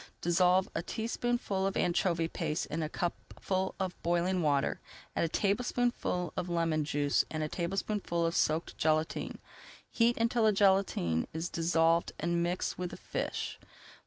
Dissolve a teaspoonful of anchovy paste in a cupful of boiling water, add a tablespoonful of lemon juice and a tablespoonful of soaked gelatine. Heat until the gelatine is dissolved and mix with the fish.